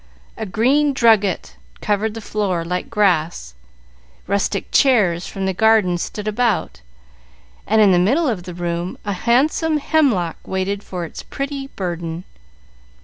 A green drugget covered the floor like grass, rustic chairs from the garden stood about, and in the middle of the room a handsome hemlock waited for its pretty burden.